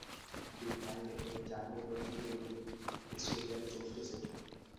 Deep fine লেগে চার মেরে তুলে নিলেন টেস্ট ক্যারিয়ারের চতুর্থ সেঞ্চুরি।